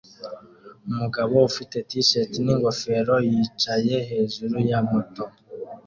Umugabo ufite T-shirt n'ingofero yicaye hejuru ya moto